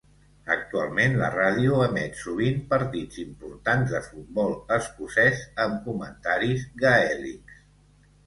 Actualment la ràdio emet sovint partits importants de futbol escocès amb comentaris gaèlics.